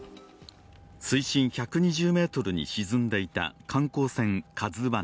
水深１２０ｍに沈んでいた観光船「ＫＡＺＵⅠ」。